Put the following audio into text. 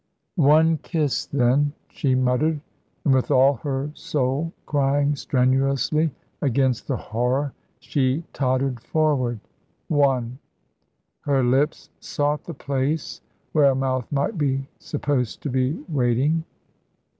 "One kiss, then," she muttered; and with all her soul crying strenuously against the horror, she tottered forward. "One"; her lips sought the place where a mouth might be supposed to be waiting.